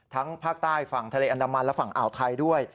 ภาคใต้ฝั่งทะเลอันดามันและฝั่งอ่าวไทยด้วย